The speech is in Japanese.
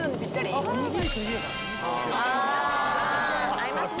合いますね。